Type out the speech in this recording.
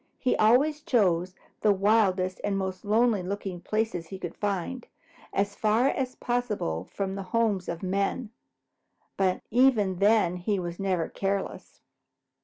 He always chose the wildest and most lonely looking places he could find, as far as possible from the homes of men, but even then he was never careless.